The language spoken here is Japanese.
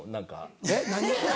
えっ何？